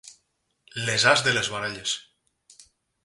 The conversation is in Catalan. Les as de les baralles.